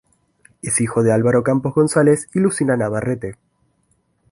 Es hijo de Álvaro Campos González y Lucina Navarrete.